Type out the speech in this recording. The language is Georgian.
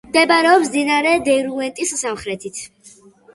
მდებარეობს მდინარე დერუენტის სამხრეთით.